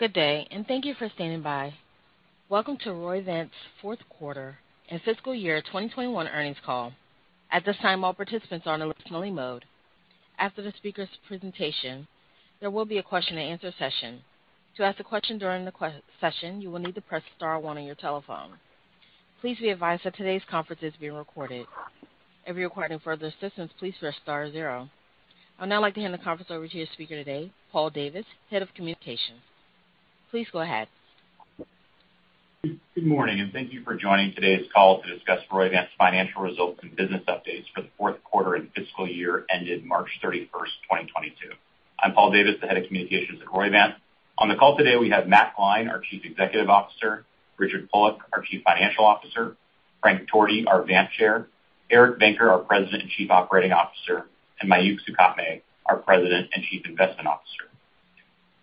Good day, and thank you for standing by. Welcome to Roivant fourth quarter and fiscal year 2021 earnings call. At this time, all participants are in a listen-only mode. After the speaker's presentation, there will be a question and answer session. To ask a question during the session, you will need to press star one on your telephone. Please be advised that today's conference is being recorded. If you require no further assistance, please press star zero. I'd now like to hand the conference over to your speaker today, Paul Davis, Head of Communications. Please go ahead. Good morning, and thank you for joining today's call to discuss Roivant's financial results and business updates for the fourth quarter and fiscal year ended March 31, 2022. I'm Paul Davis, the head of communications at Roivant. On the call today, we have Matt Gline, our Chief Executive Officer, Richard Pulik, our Chief Financial Officer, Frank Torti, our Vant Chair, Eric Venker, our President and Chief Operating Officer, and Mayukh Sukhatme, our President and Chief Investment Officer.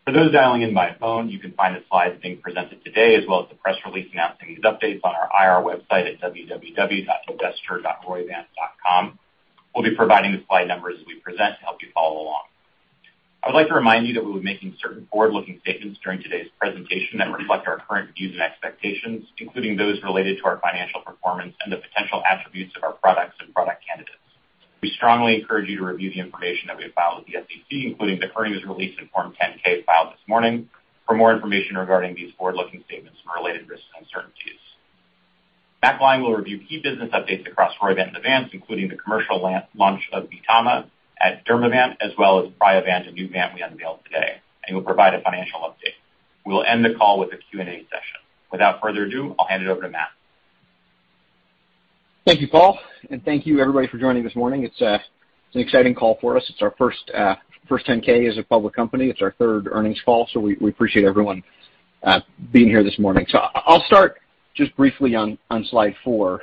For those dialing in by phone, you can find the slides being presented today as well as the press release announcing these updates on our IR website at www.investor.roivant.com. We'll be providing the slide numbers as we present to help you follow along. I would like to remind you that we'll be making certain forward-looking statements during today's presentation that reflect our current views and expectations, including those related to our financial performance and the potential attributes of our products and product candidates. We strongly encourage you to review the information that we have filed with the SEC, including the earnings release and Form 10-K filed this morning for more information regarding these forward-looking statements and related risks and uncertainties. Matt Gline will review key business updates across Roivant events, including the commercial launch of VTAMA at Dermavant, as well as Priovant, a new Vant we unveiled today, and he will provide a financial update. We will end the call with a Q&A session. Without further ado, I'll hand it over to Matt. Thank you, Paul, and thank you everybody for joining this morning. It's an exciting call for us. It's our first 10-K as a public company. It's our third earnings call, so we appreciate everyone being here this morning. I'll start just briefly on slide four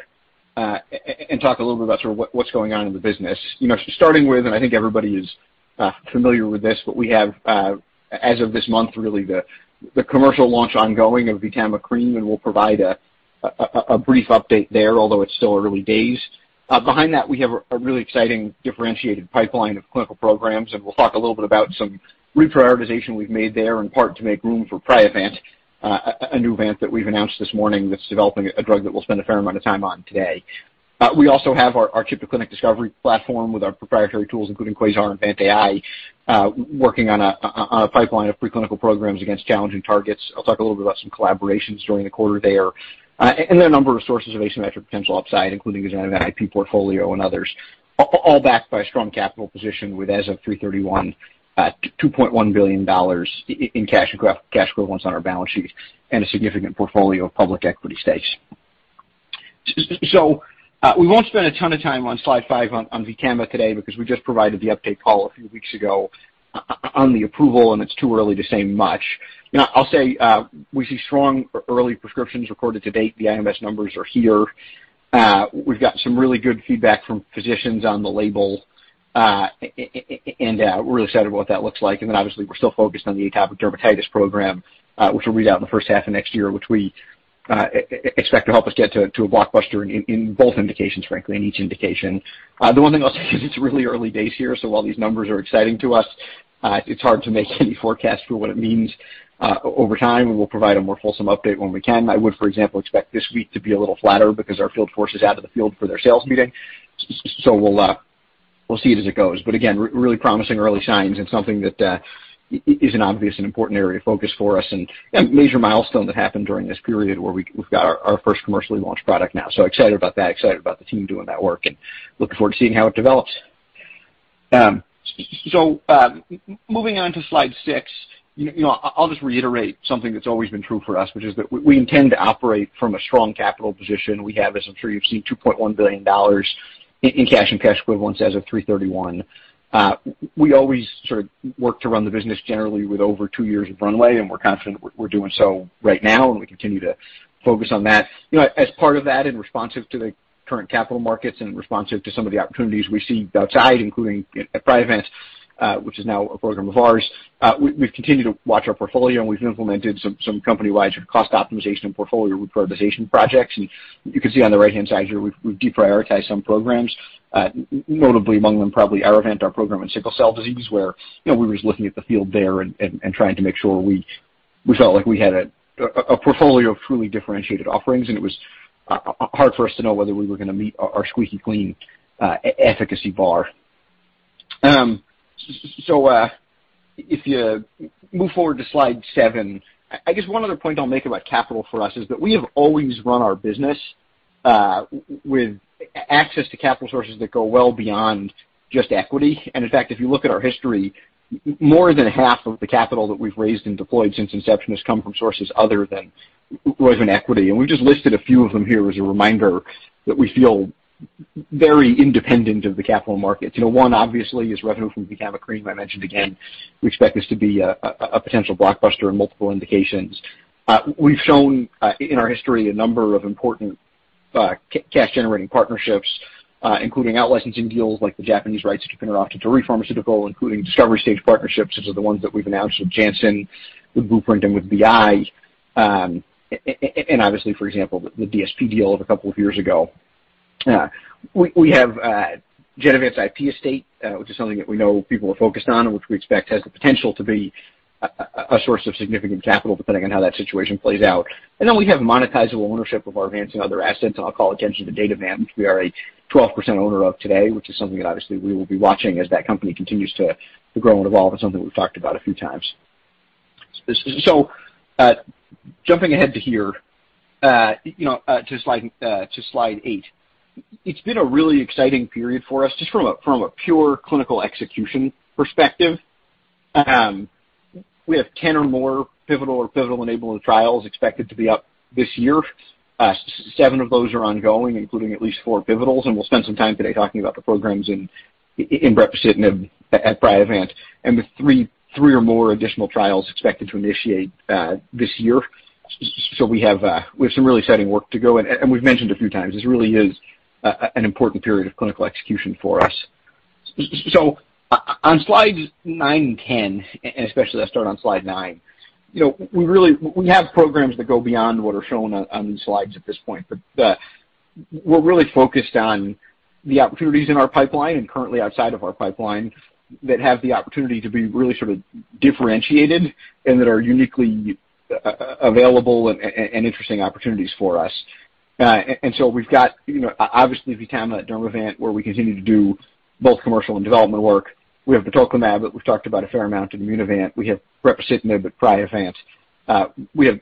and talk a little bit about sort of what's going on in the business. You know, starting with, I think everybody is familiar with this, but we have, as of this month, really the commercial launch ongoing of VTAMA cream, and we'll provide a brief update there, although it's still early days. Behind that, we have a really exciting differentiated pipeline of clinical programs, and we'll talk a little bit about some reprioritization we've made there in part to make room for Priovant, a new Vant that we've announced this morning that's developing a drug that we'll spend a fair amount of time on today. We also have our Tip to Clinic discovery platform with our proprietary tools, including QUASAR and VantAI, working on a pipeline of preclinical programs against challenging targets. I'll talk a little bit about some collaborations during the quarter there. There are a number of sources of asymmetric potential upside, including design of an IP portfolio and others, all backed by a strong capital position with as of 3/31, $2.1 billion in cash equivalents on our balance sheet and a significant portfolio of public equity stakes. We won't spend a ton of time on slide 5 on VTAMA today because we just provided the update call a few weeks ago on the approval, and it's too early to say much. You know, I'll say, we see strong early prescriptions recorded to date. The IMS numbers are here. We've got some really good feedback from physicians on the label, and we're really excited about what that looks like. Obviously we're still focused on the atopic dermatitis program, which will read out in the first half of next year, which we expect to help us get to a blockbuster in both indications, frankly, in each indication. The one thing I'll say is it's really early days here, so while these numbers are exciting to us, it's hard to make any forecast for what it means over time, and we'll provide a more wholesome update when we can. I would, for example, expect this week to be a little flatter because our field force is out of the field for their sales meeting. We'll see it as it goes. Again, really promising early signs and something that is an obvious and important area of focus for us and major milestone that happened during this period where we've got our first commercially launched product now. Excited about that, excited about the team doing that work and looking forward to seeing how it develops. Moving on to slide six, you know, I'll just reiterate something that's always been true for us, which is that we intend to operate from a strong capital position. We have, as I'm sure you've seen, $2.1 billion in cash and cash equivalents as of 3/31. We always sort of work to run the business generally with over two years of runway, and we're confident we're doing so right now and we continue to focus on that. You know, as part of that, in response to the current capital markets and responsive to some of the opportunities we see outside, including at Priovant, which is now a program of ours, we've continued to watch our portfolio and we've implemented some company-wide sort of cost optimization and portfolio reprioritization projects. You can see on the right-hand side here, we've deprioritized some programs. Notably among them, probably Aruvant, our program in sickle cell disease, where, you know, we were just looking at the field there and trying to make sure we felt like we had a portfolio of truly differentiated offerings, and it was hard for us to know whether we were going to meet our squeaky clean efficacy bar. If you move forward to slide seven, I guess one other point I'll make about capital for us is that we have always run our business with access to capital sources that go well beyond just equity. In fact, if you look at our history, more than half of the capital that we've raised and deployed since inception has come from sources other than Roivant equity. We've just listed a few of them here as a reminder that we feel very independent of the capital markets. You know, one obviously is revenue from VTAMA cream. I mentioned again, we expect this to be a potential blockbuster in multiple indications. We've shown in our history a number of important cash generating partnerships, including out-licensing deals like the Japanese rights to tapinarof to Torii Pharmaceutical, including discovery stage partnerships. These are the ones that we've announced with Janssen, with Blueprint and with BI. Obviously, for example, the DSP deal of a couple of years ago. Yeah. We have Genevant's IP estate, which is something that we know people are focused on and which we expect has the potential to be a source of significant capital depending on how that situation plays out. We have monetizable ownership of our Vants and other assets, and I'll call attention to Datavant, which we are a 12% owner of today, which is something that obviously we will be watching as that company continues to grow and evolve, and something we've talked about a few times. Jumping ahead to here, you know, to slide 8. It's been a really exciting period for us just from a pure clinical execution perspective. We have 10 or more pivotal or enabling trials expected to be up this year. Seven of those are ongoing, including at least four pivotals, and we'll spend some time today talking about the programs in brepocitinib at Priovant, and with three or more additional trials expected to initiate this year. We have some really exciting work to go, and we've mentioned a few times this really is an important period of clinical execution for us. On slides 9 and 10, and especially I'll start on slide 9, you know, we really, we have programs that go beyond what are shown on these slides at this point. We're really focused on the opportunities in our pipeline and currently outside of our pipeline that have the opportunity to be really sort of differentiated and that are uniquely available and interesting opportunities for us. We've got, you know, obviously if you look at Dermavant, where we continue to do both commercial and development work. We have the batoclimab that we've talked about a fair amount in Immunovant. We have brepocitinib at Priovant. We have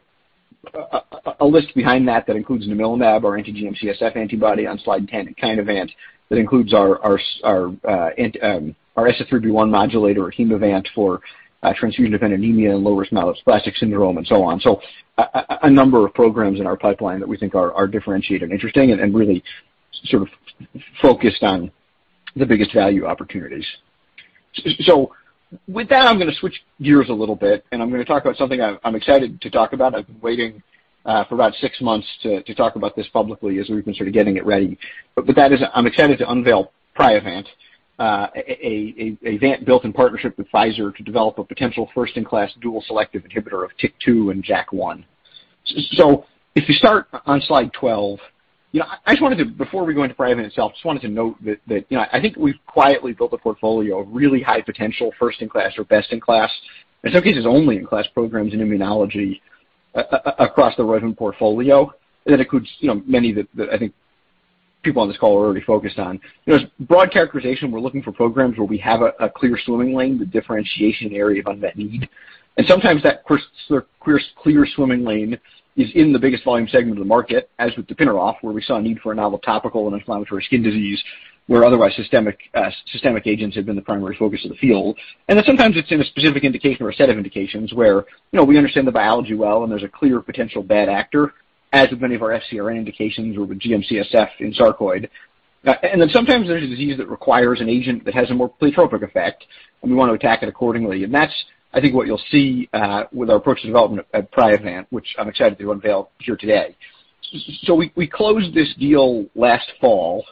a list behind that that includes namilumab, our anti-GM-CSF antibody on slide 10, Kinevant, that includes our SF3B1 modulator at Hemovant for transfusion-dependent anemia and low-risk myelodysplastic syndrome, and so on. A number of programs in our pipeline that we think are differentiated and interesting and really sort of focused on the biggest value opportunities. With that, I'm gonna switch gears a little bit, and I'm gonna talk about something I'm excited to talk about. I've been waiting for about 6 months to talk about this publicly as we've been sort of getting it ready. That is, I'm excited to unveil Priovant, a Vant built in partnership with Pfizer to develop a potential first-in-class dual selective inhibitor of TYK2 and JAK1. If you start on slide 12, you know, I just wanted to. Before we go into Priovant itself, just wanted to note that, you know, I think we've quietly built a portfolio of really high potential first-in-class or best-in-class, in some cases only in class programs in immunology across the Roivant portfolio. That includes, you know, many that I think people on this call are already focused on. You know, broad characterization, we're looking for programs where we have a clear swimming lane, the differentiation area of unmet need. Sometimes that clear swimming lane is in the biggest volume segment of the market, as with tapinarof, where we saw a need for a novel topical anti-inflammatory skin disease, where otherwise systemic agents had been the primary focus of the field. Then sometimes it's in a specific indication or a set of indications where, you know, we understand the biology well and there's a clear potential bad actor, as with many of our FcRn indications or with GM-CSF in sarcoid. Sometimes there's a disease that requires an agent that has a more pleiotropic effect, and we want to attack it accordingly. That's, I think, what you'll see with our approach to development at Priovant, which I'm excited to unveil here today. So we closed this deal last fall.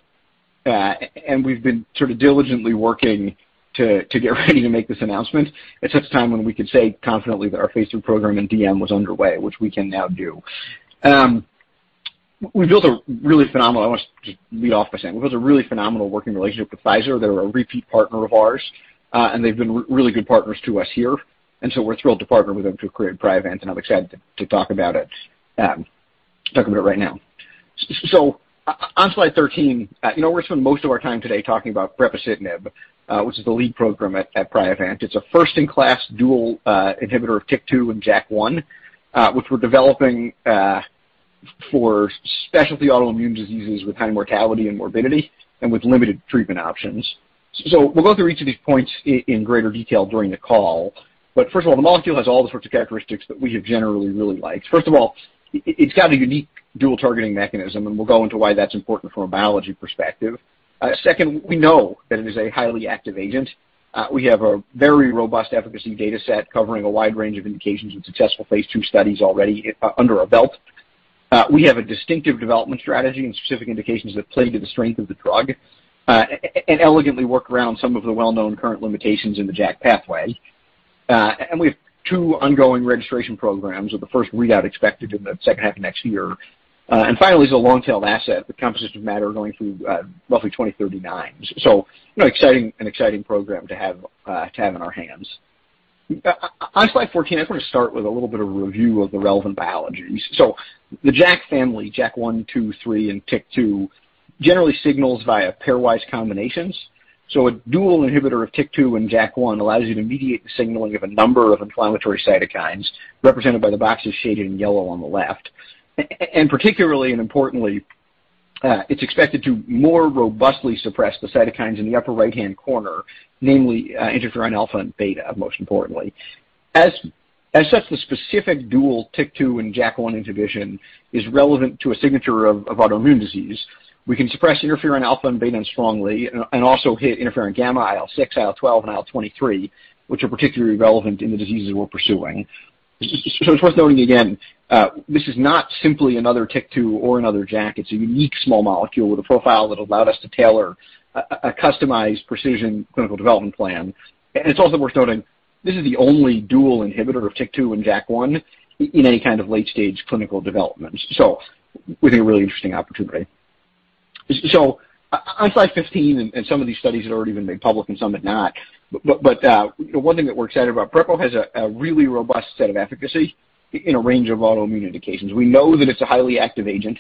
We've been sort of diligently working to get ready to make this announcement at such a time when we could say confidently that our phase II program in DM was underway, which we can now do. We've built a really phenomenal... I want to just lead off by saying we've built a really phenomenal working relationship with Pfizer. They're a repeat partner of ours, and they've been really good partners to us here. We're thrilled to partner with them to create Priovant, and I'm excited to talk about it right now. On slide 13, you know, we're going to spend most of our time today talking about ropsacitinib, which is the lead program at Priovant. It's a first-in-class dual inhibitor of TYK2 and JAK1, which we're developing for specialty autoimmune diseases with high mortality and morbidity and with limited treatment options. We'll go through each of these points in greater detail during the call. First of all, the molecule has all the sorts of characteristics that we have generally really liked. First of all, it's got a unique dual targeting mechanism, and we'll go into why that's important from a biology perspective. Second, we know that it is a highly active agent. We have a very robust efficacy data set covering a wide range of indications with successful Phase II studies already under our belt. We have a distinctive development strategy and specific indications that play to the strength of the drug, and elegantly work around some of the well-known current limitations in the JAK pathway. And we have two ongoing registration programs with the first readout expected in the second half of next year. And finally, it's a long-tailed asset with composition of matter going through roughly 2039s. You know, exciting program to have in our hands. On slide 14, I just want to start with a little bit of review of the relevant biologies. The JAK family, JAK 1, 2, 3, and TYK2, generally signals via pairwise combinations. A dual inhibitor of TYK2 and JAK1 allows you to mediate the signaling of a number of inflammatory cytokines represented by the boxes shaded in yellow on the left. And particularly and importantly, it's expected to more robustly suppress the cytokines in the upper right-hand corner, namely, interferon alpha and beta, most importantly. As such, the specific dual TYK2 and JAK1 inhibition is relevant to a signature of autoimmune disease. We can suppress interferon alpha and beta strongly and also hit interferon gamma IL-6, IL-12, and IL-23, which are particularly relevant in the diseases we're pursuing. It's worth noting again, this is not simply another TYK2 or another JAK. It's a unique small molecule with a profile that allowed us to tailor a customized precision clinical development plan. It's also worth noting this is the only dual inhibitor of TYK2 and JAK1 in any kind of late-stage clinical development. We think a really interesting opportunity. On slide 15, and some of these studies have already been made public and some have not, but you know, one thing that we're excited about, Brepo has a really robust set of efficacy in a range of autoimmune indications. We know that it's a highly active agent.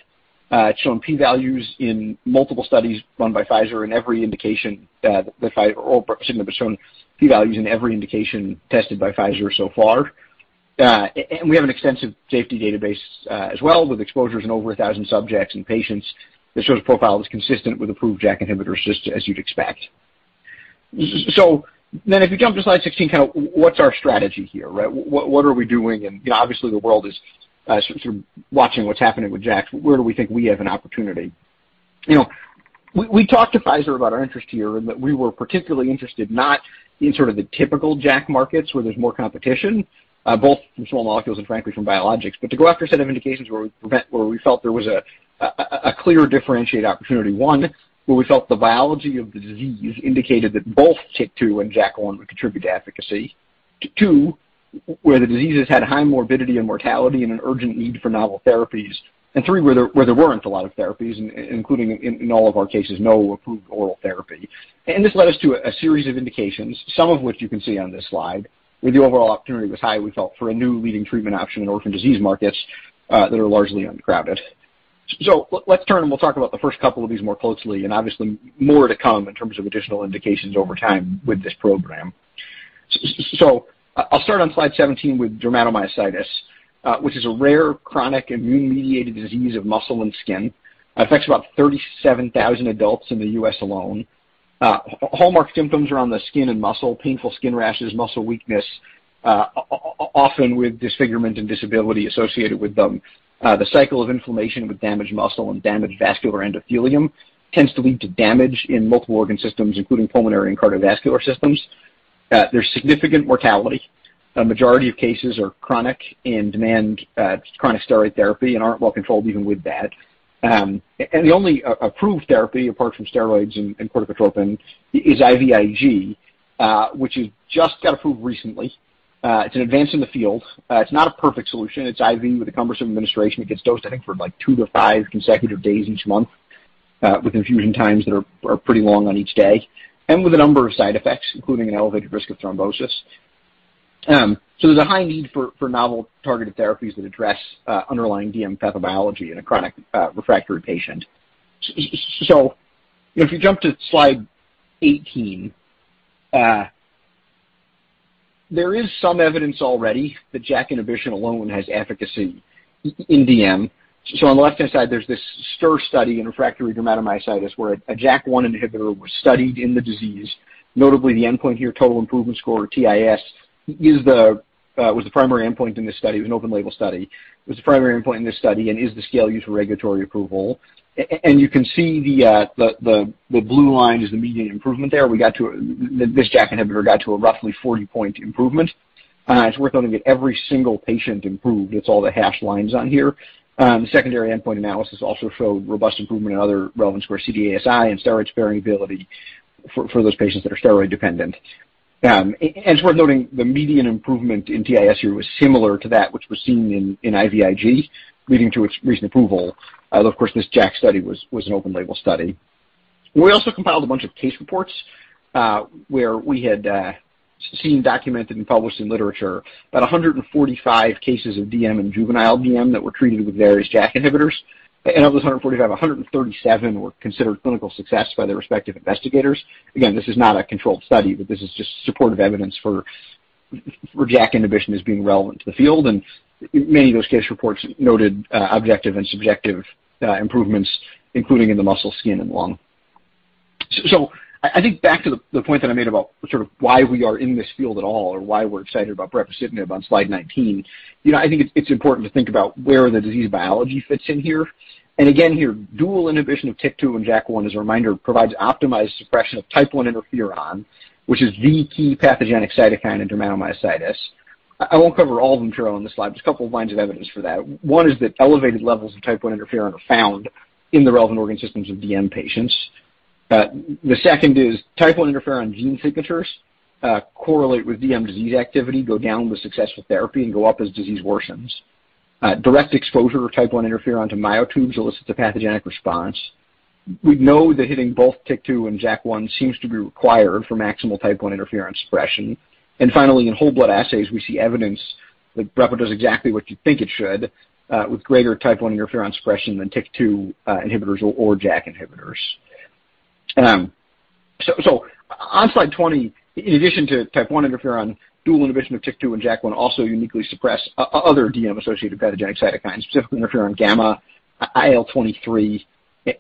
It's shown P values in multiple studies run by Pfizer in every indication that or Brepo has shown P values in every indication tested by Pfizer so far. We have an extensive safety database, as well, with exposures in over 1,000 subjects and patients that shows profile is consistent with approved JAK inhibitors, just as you'd expect. If you jump to slide 16, kinda what's our strategy here, right? What are we doing? You know, obviously the world is sort of watching what's happening with JAK. Where do we think we have an opportunity? You know, we talked to Pfizer about our interest here, and that we were particularly interested not in sort of the typical JAK markets where there's more competition, both from small molecules and frankly from biologics, but to go after a set of indications where we felt there was a clear differentiated opportunity. One, where we felt the biology of the disease indicated that both TYK2 and JAK1 would contribute to efficacy. Two, where the diseases had high morbidity and mortality and an urgent need for novel therapies. Three, where there weren't a lot of therapies, including in all of our cases, no approved oral therapy. This led us to a series of indications, some of which you can see on this slide, where the overall opportunity was high, we felt, for a new leading treatment option in orphan disease markets that are largely uncrowded. Let's turn and we'll talk about the first couple of these more closely, and obviously more to come in terms of additional indications over time with this program. So I'll start on slide 17 with dermatomyositis, which is a rare chronic immune-mediated disease of muscle and skin. Affects about 37,000 adults in the U.S. alone. Hallmark symptoms are on the skin and muscle, painful skin rashes, muscle weakness, often with disfigurement and disability associated with them. The cycle of inflammation with damaged muscle and damaged vascular endothelium tends to lead to damage in multiple organ systems, including pulmonary and cardiovascular systems. There's significant mortality. A majority of cases are chronic and demand chronic steroid therapy and aren't well controlled even with that. And the only approved therapy apart from steroids and corticotropin is IVIG, which has just got approved recently. It's an advance in the field. It's not a perfect solution. It's IV with a cumbersome administration. It gets dosed, I think for like 2-5 consecutive days each month, with infusion times that are pretty long on each day, and with a number of side effects, including an elevated risk of thrombosis. There's a high need for novel targeted therapies that address underlying DM pathobiology in a chronic refractory patient. If you jump to slide 18, there is some evidence already that JAK inhibition alone has efficacy in DM. On the left-hand side, there's this STITCH study in refractory dermatomyositis where a JAK1 inhibitor was studied in the disease. Notably, the endpoint here, total improvement score, TIS, was the primary endpoint in this study. It was an open label study. It was the primary endpoint in this study and is the scale used for regulatory approval. You can see the blue line is the median improvement there. This JAK inhibitor got to a roughly 40-point improvement. It's worth noting that every single patient improved. That's all the hashed lines on here. The secondary endpoint analysis also showed robust improvement in other relevant scores, CDASI and steroid sparing ability for those patients that are steroid dependent. It's worth noting the median improvement in TIS here was similar to that which was seen in IVIG, leading to its recent approval, although of course, this JAK study was an open label study. We also compiled a bunch of case reports, where we had seen, documented, and published in literature about 145 cases of DM and juvenile DM that were treated with various JAK inhibitors. Of those 145, 137 were considered clinical success by their respective investigators. Again, this is not a controlled study, but this is just supportive evidence for JAK inhibition as being relevant to the field. Many of those case reports noted objective and subjective improvements, including in the muscle, skin, and lung. I think back to the point that I made about sort of why we are in this field at all or why we're excited about brepocitinib on slide 19. You know, I think it's important to think about where the disease biology fits in here. Again, here, dual inhibition of TYK2 and JAK1, as a reminder, provides optimized suppression of type I interferon, which is the key pathogenic cytokine in dermatomyositis. I won't cover all of them here on this slide. There's a couple lines of evidence for that. One is that elevated levels of type I interferon are found in the relevant organ systems of DM patients. The second is type I interferon gene signatures correlate with DM disease activity, go down with successful therapy, and go up as disease worsens. Direct exposure of type I interferon to myotubes elicits a pathogenic response. We know that hitting both TYK2 and JAK1 seems to be required for maximal type I interferon suppression. Finally, in whole blood assays, we see evidence that Brepo does exactly what you think it should, with greater type I interferon suppression than TYK2 inhibitors or JAK inhibitors. On slide 20, in addition to type I interferon, dual inhibition of TYK2 and JAK1 also uniquely suppress other DM-associated pathogenic cytokines, specifically interferon gamma, IL-23,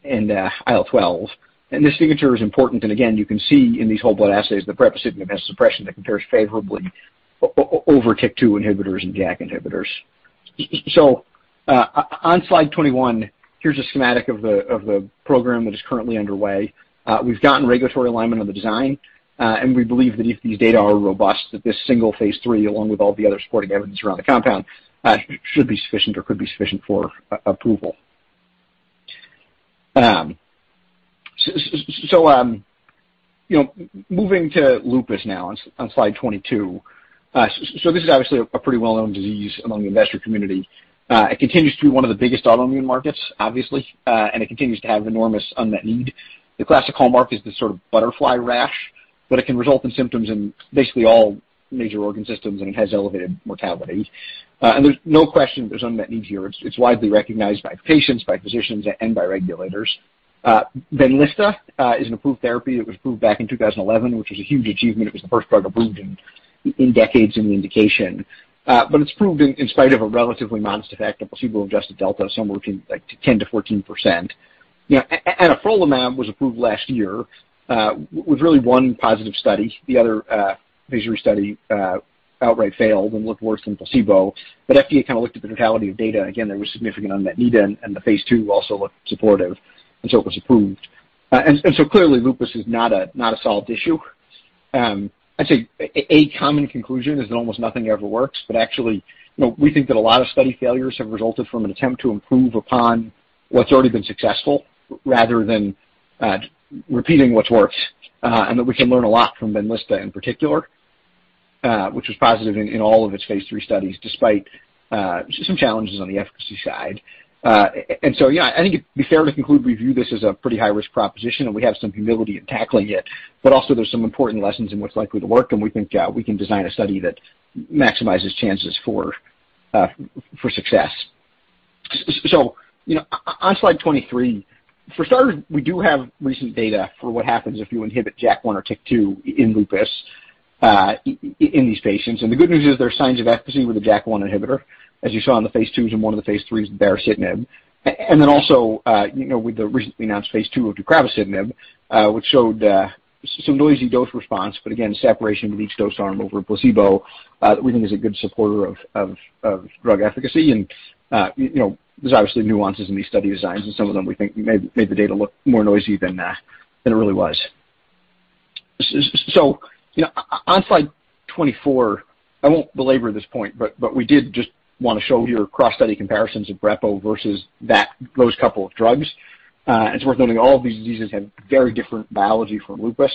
and IL-12. This signature is important. Again, you can see in these whole blood assays that brepocitinib has suppression that compares favorably over TYK2 inhibitors and JAK inhibitors. So, on slide 21, here's a schematic of the program that is currently underway. We've gotten regulatory alignment on the design, and we believe that if these data are robust, that this single phase III, along with all the other supporting evidence around the compound, should be sufficient or could be sufficient for approval. So, you know, moving to lupus now on slide 22. So this is obviously a pretty well-known disease among the investor community. It continues to be one of the biggest autoimmune markets, obviously, and it continues to have enormous unmet need. The classic hallmark is the sort of butterfly rash, but it can result in symptoms in basically all major organ systems, and it has elevated mortality. And there's no question there's unmet need here. It's widely recognized by patients, by physicians, and by regulators. Benlysta is an approved therapy. It was approved back in 2011, which was a huge achievement. It was the first drug approved in decades in the indication. But it's approved in spite of a relatively modest effect, a placebo-adjusted delta of somewhere between, like, 10%-14%. You know, anifrolumab was approved last year with really one positive study. The other phase 3 study outright failed and looked worse than placebo. FDA kind of looked at the totality of data, and again, there was significant unmet need. The phase 2 also looked supportive, and so it was approved. Clearly lupus is not a solved issue. I'd say a common conclusion is that almost nothing ever works. Actually, you know, we think that a lot of study failures have resulted from an attempt to improve upon what's already been successful rather than repeating what's worked. That we can learn a lot from Benlysta in particular, which was positive in all of its phase 3 studies despite some challenges on the efficacy side. Yeah, I think it'd be fair to conclude we view this as a pretty high-risk proposition, and we have some humility in tackling it. Also there's some important lessons in what's likely to work, and we think, we can design a study that maximizes chances for success. You know, on slide 23, for starters, we do have recent data for what happens if you inhibit JAK1 or TYK2 in lupus, in these patients. The good news is there are signs of efficacy with a JAK1 inhibitor, as you saw in the phase 2s and one of the phase 3s of baricitinib. Then also, you know, with the recently announced phase 2 of deucravacitinib, which showed, some noisy dose response, but again, separation with each dose arm over placebo, that we think is a good supporter of drug efficacy. You know, there's obviously nuances in these study designs, and some of them we think may have made the data look more noisy than it really was. So, you know, on slide 24, I won't belabor this point, but we did just wanna show here cross-study comparisons of brepocitinib versus those couple of drugs. It's worth noting all of these diseases have very different biology from lupus.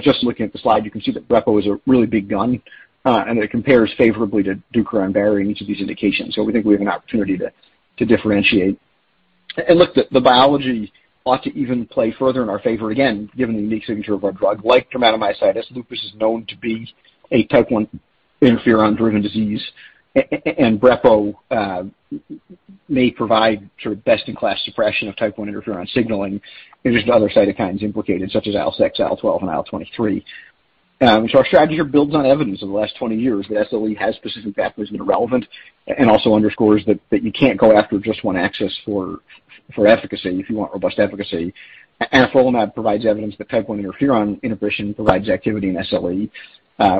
Just looking at the slide, you can see that brepocitinib is a really big gun, and it compares favorably to deucravacitinib and baricitinib in each of these indications. We think we have an opportunity to differentiate. Look, the biology ought to even play further in our favor, again, given the unique signature of our drug. Like dermatomyositis, lupus is known to be a type one interferon-driven disease. Brepocitinib may provide sort of best-in-class suppression of type one interferon signaling. There's other cytokines implicated, such as IL-6, IL-12, and IL-23. Our strategy here builds on evidence over the last 20 years that SLE has specific pathways that are relevant, and also underscores that you can't go after just one axis for efficacy if you want robust efficacy. Anifrolumab provides evidence that type one interferon inhibition provides activity in SLE.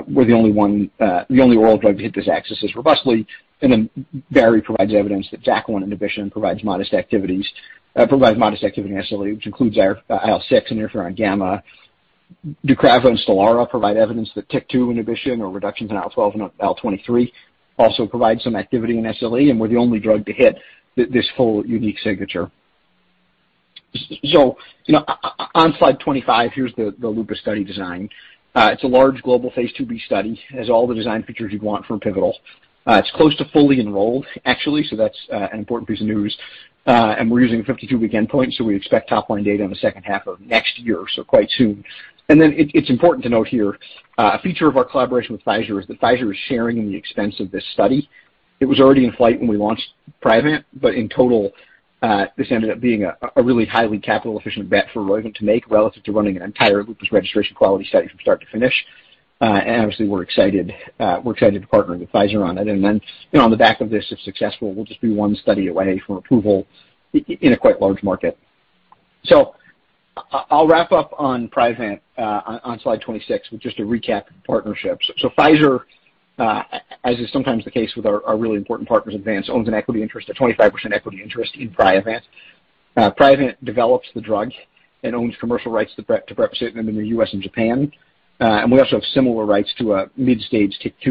We're the only oral drug to hit this axis as robustly. Baricitinib provides evidence that JAK1 inhibition provides modest activity in SLE, which includes IFN, IL-6, interferon gamma. Deucravacitinib and Stelara provide evidence that TYK2 inhibition or reductions in IL-12 and IL-23 also provide some activity in SLE. We're the only drug to hit this whole unique signature. You know, on slide 25, here's the lupus study design. It's a large global phase 2b study. It has all the design features you'd want from pivotal. It's close to fully enrolled, actually, so that's an important piece of news. We're using a 52-week endpoint, so we expect top line data in the second half of next year, so quite soon. It's important to note here, a feature of our collaboration with Pfizer is that Pfizer is sharing in the expense of this study. It was already in flight when we launched Priovant, but in total, this ended up being a really highly capital-efficient bet for Roivant to make relative to running an entire lupus registration quality study from start to finish. Obviously, we're excited to partner with Pfizer on it. You know, on the back of this, if successful, will just be one study away from approval in a quite large market. I'll wrap up on Priovant, on slide 26 with just a recap of the partnership. Pfizer, as is sometimes the case with our really important partners at Vants, owns an equity interest, a 25% equity interest in Priovant. Priovant develops the drug and owns commercial rights to brepocitinib in the U.S. and Japan. And we also have similar rights to a mid-stage TYK2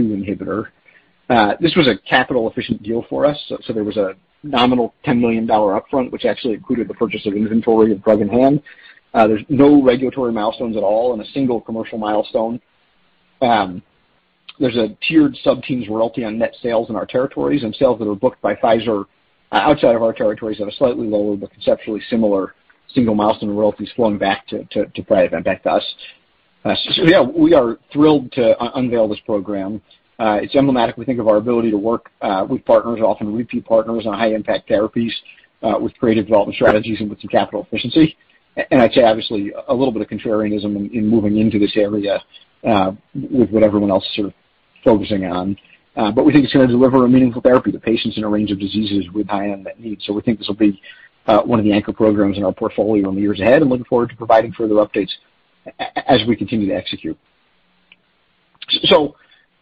inhibitor. This was a capital-efficient deal for us. There was a nominal $10 million upfront, which actually included the purchase of inventory of drug in hand. There's no regulatory milestones at all and a single commercial milestone. There's a tiered sub-teams royalty on net sales in our territories, and sales that are booked by Pfizer outside of our territories at a slightly lower but conceptually similar single milestone royalties flowing back to Priovant, back to us. So yeah, we are thrilled to unveil this program. It's emblematic, we think, of our ability to work with partners, often repeat partners, on high impact therapies with great development strategies and with some capital efficiency. I'd say obviously a little bit of contrarianism in moving into this area with what everyone else is sort of focusing on. We think it's gonna deliver a meaningful therapy to patients in a range of diseases with high unmet need. We think this will be one of the anchor programs in our portfolio in the years ahead. I'm looking forward to providing further updates as we continue to execute.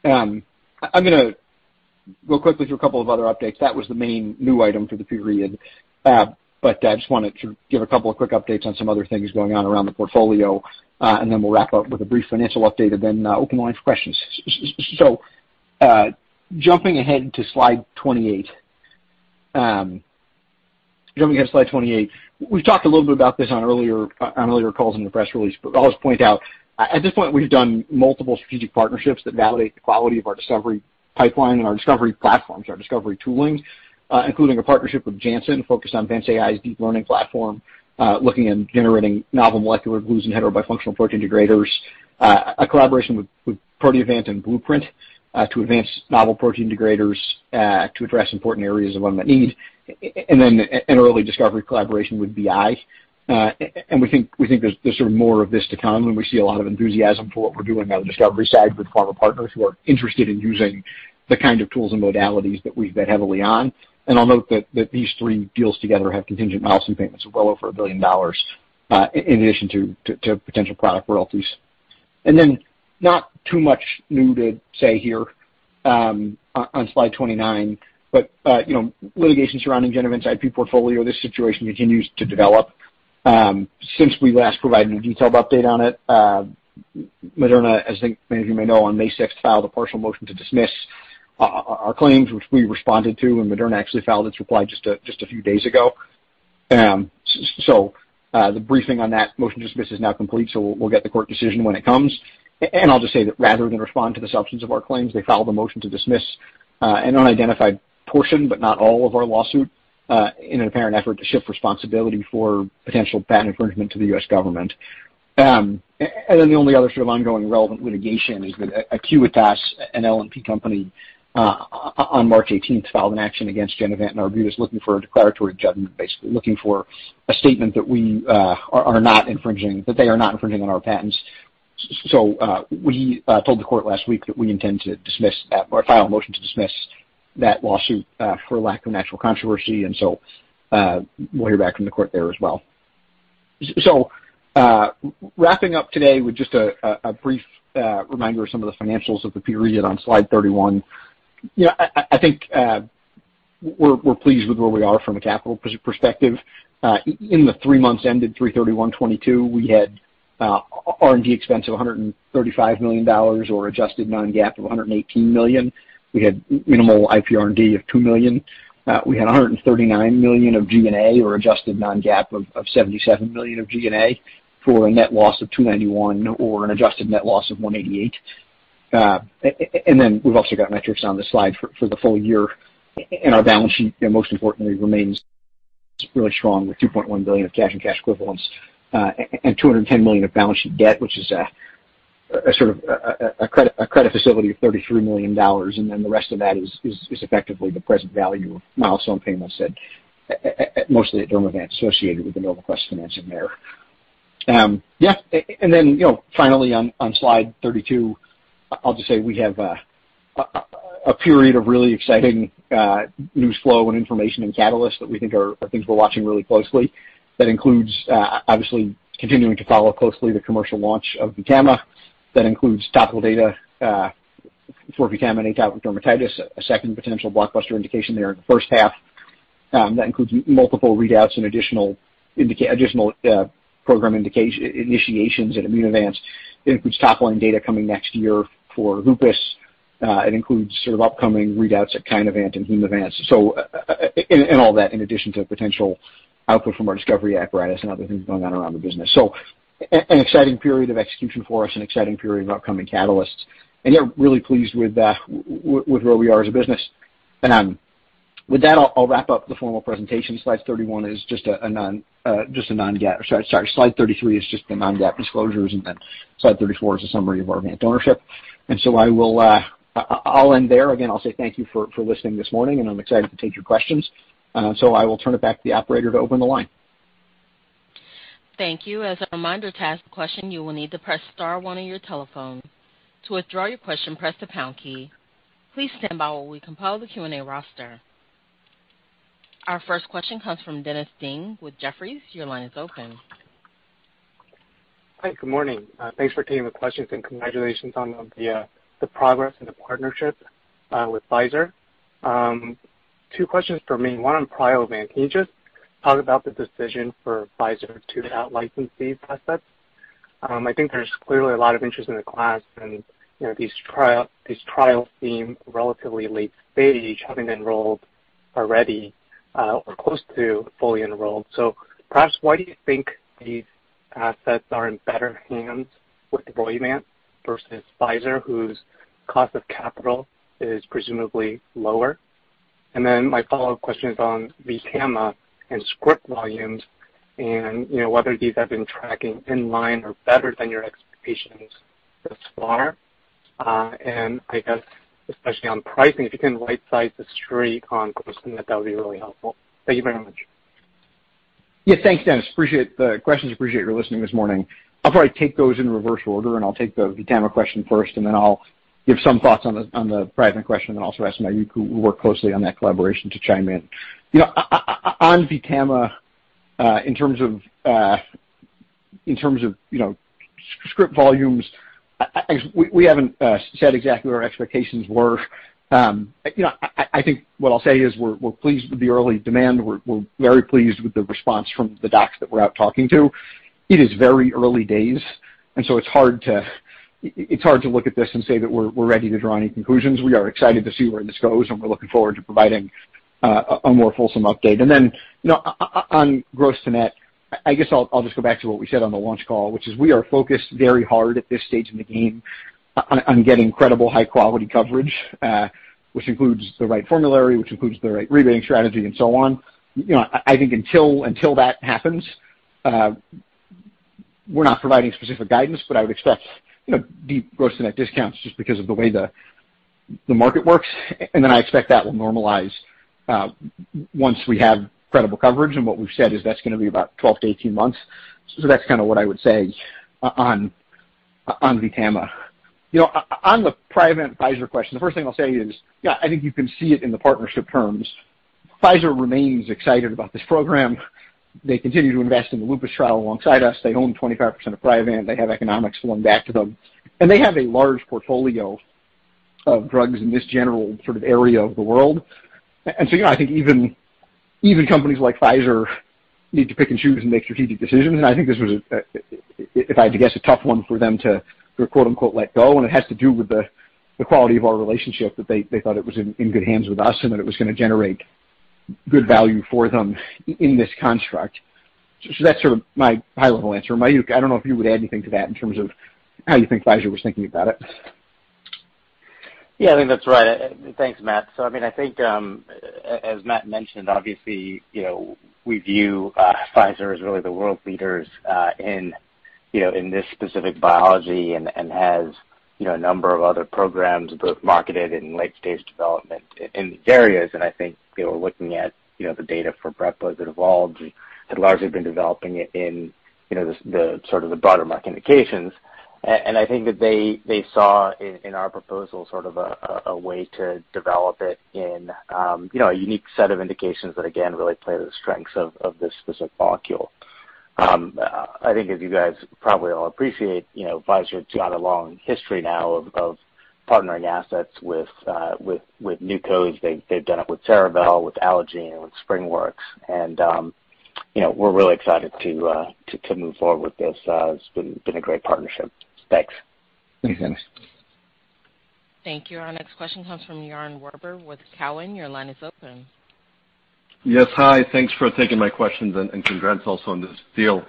I'm gonna real quickly do a couple of other updates. That was the main new item for the period. I just wanted to give a couple of quick updates on some other things going on around the portfolio, and then we'll wrap up with a brief financial update and then open the line for questions. Jumping ahead to slide 28. We've talked a little bit about this on earlier calls in the press release, but I'll just point out, at this point, we've done multiple strategic partnerships that validate the quality of our discovery pipeline and our discovery platforms, our discovery toolings, including a partnership with Janssen focused on VantAI's deep learning platform, looking at generating novel molecular glues and heterobifunctional protein degraders. A collaboration with Proteovant and Blueprint, to advance novel protein degraders, to address important areas of unmet need. Then an early discovery collaboration with BI. We think there's sort of more of this to come, and we see a lot of enthusiasm for what we're doing on the discovery side with pharma partners who are interested in using the kind of tools and modalities that we bet heavily on. I'll note that these three deals together have contingent milestone payments of well over $1 billion, in addition to potential product royalties. Then not too much new to say here, on slide 29, but you know, litigation surrounding Genevant's IP portfolio, this situation continues to develop. Since we last provided a detailed update on it, Moderna, as I think many of you may know, on May 6 filed a partial motion to dismiss our claims, which we responded to, and Moderna actually filed its reply just a few days ago. The briefing on that motion to dismiss is now complete, so we'll get the court decision when it comes. I'll just say that rather than respond to the substance of our claims, they filed a motion to dismiss, an unidentified portion, but not all of our lawsuit, in an apparent effort to shift responsibility for potential patent infringement to the U.S. government. Then the only other sort of ongoing relevant litigation is with Acuitas, an LNP company, on March eighteenth, filed an action against Genevant and Arbutus looking for a declaratory judgment, basically looking for a statement that we are not infringing, that they are not infringing on our patents. We told the court last week that we intend to dismiss that or file a motion to dismiss that lawsuit, for lack of actual controversy. We'll hear back from the court there as well. Wrapping up today with just a brief reminder of some of the financials of the period on slide 31. I think we're pleased with where we are from a capital perspective. In the three months ended March 31, 2022, we had R&D expense of $135 million, or adjusted non-GAAP of $118 million. We had minimal IPR&D of $2 million. We had $139 million of G&A, or adjusted non-GAAP of $77 million of G&A for a net loss of $291 million or an adjusted net loss of $188 million. And then we've also got metrics on the slide for the full year. Our balance sheet, you know, most importantly remains really strong with $2.1 billion of cash and cash equivalents and $210 million of balance sheet debt, which is a sort of a credit facility of $33 million. Then the rest of that is effectively the present value of milestone payments at mostly at Dermavant associated with the NovaQuest financing there. Then, you know, finally on slide 32, I'll just say we have a period of really exciting news flow and information and catalysts that we think are things we're watching really closely. That includes obviously continuing to follow closely the commercial launch of VTAMA. That includes topical data for VTAMA and atopic dermatitis, a second potential blockbuster indication there in the first half. That includes multiple readouts and additional program initiations at Immunovant. It includes top line data coming next year for lupus. It includes sort of upcoming readouts at Kinevant and Immunovant. And all that in addition to potential output from our discovery apparatus and other things going on around the business. An exciting period of execution for us, an exciting period of upcoming catalysts. Yeah, really pleased with where we are as a business. With that, I'll wrap up the formal presentation. Slide 31 is just a non-GAAP. Sorry. Slide 33 is just the non-GAAP disclosures, and then slide 34 is a summary of our Vant ownership. I will end there. Again, I'll say thank you for listening this morning, and I'm excited to take your questions. I will turn it back to the operator to open the line. Thank you. As a reminder, to ask a question, you will need to press star one on your telephone. To withdraw your question, press the pound key. Please stand by while we compile the Q&A roster. Our first question comes from Dennis Ding with Jefferies. Your line is open. Hi. Good morning. Thanks for taking the questions and congratulations on the progress and the partnership with Pfizer. Two questions for me. One on Priovant. Can you just talk about the decision for Pfizer to out-license these assets? I think there's clearly a lot of interest in the class and, you know, these trials being relatively late stage, having enrolled already or close to fully enrolled. Perhaps why do you think these assets are in better hands with Roivant versus Pfizer, whose cost of capital is presumably lower? Then my follow-up question is on VTAMA and script volumes and, you know, whether these have been tracking in line or better than your expectations thus far. I guess especially on pricing, if you can size the street on those, then that would be really helpful. Thank you very much. Yeah. Thanks, Dennis. Appreciate the questions. Appreciate your listening this morning. I'll probably take those in reverse order, and I'll take the VTAMA question first, and then I'll give some thoughts on the pricing question and then also ask Mayukh, who worked closely on that collaboration to chime in. You know, on VTAMA, in terms of, you know, script volumes, we haven't said exactly what our expectations were. You know, I think what I'll say is we're pleased with the early demand. We're very pleased with the response from the docs that we're out talking to. It is very early days, and so it's hard to look at this and say that we're ready to draw any conclusions. We are excited to see where this goes, and we're looking forward to providing a more fulsome update. Then, you know, on gross to net, I guess I'll just go back to what we said on the launch call, which is we are focused very hard at this stage in the game on getting credible high-quality coverage, which includes the right formulary, which includes the right rebate strategy, and so on. You know, I think until that happens, we're not providing specific guidance, but I would expect, you know, deep gross to net discounts just because of the way the market works. Then I expect that will normalize once we have credible coverage. What we've said is that's gonna be about 12-18 months. That's kinda what I would say on VTAMA. You know, on the private Pfizer question, the first thing I'll say is, yeah, I think you can see it in the partnership terms. Pfizer remains excited about this program. They continue to invest in the lupus trial alongside us. They own 25% of Priovant. They have economics flowing back to them, and they have a large portfolio of drugs in this general sort of area of the world. You know, I think even companies like Pfizer need to pick and choose and make strategic decisions. I think this was a, if I had to guess, a tough one for them to, quote-unquote, "let go." It has to do with the quality of our relationship, that they thought it was in good hands with us and that it was gonna generate good value for them in this construct. That's sort of my high-level answer. Mayukh, I don't know if you would add anything to that in terms of how you think Pfizer was thinking about it. Yeah, I think that's right. Thanks, Matt. I mean, I think, as Matt mentioned, obviously, you know, we view Pfizer as really the world leaders in this specific biology and has a number of other programs both marketed in late-stage development in these areas. I think, you know, looking at the data for Brepo that they had largely been developing it in the sort of broader market indications. I think that they saw in our proposal a way to develop it in a unique set of indications that again really play to the strengths of this specific molecule. I think as you guys probably all appreciate, you know, Pfizer's got a long history now of partnering assets with NewCos. They've done it with Cerevel, with Allergan, with SpringWorks. You know, we're really excited to move forward with this. It's been a great partnership. Thanks. Thanks. Thank you. Our next question comes from Yaron Werber with Cowen. Your line is open. Yes. Hi. Thanks for taking my questions, and congrats also on this deal.